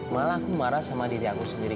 malah aku marah sama diri aku sendiri